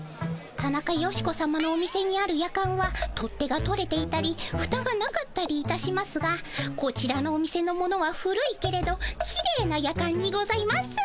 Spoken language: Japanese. タナカヨシコさまのお店にあるヤカンは取っ手が取れていたりふたがなかったりいたしますがこちらのお店のものは古いけれどきれいなヤカンにございます。